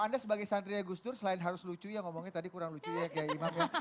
anda sebagai santrinya gus dur selain harus lucu ya ngomongnya tadi kurang lucu ya kiai imam ya